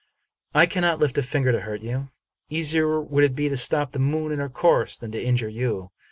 I cannot hft a finger to hurt you. Easier would it be to stop the moon in her course than to injure you.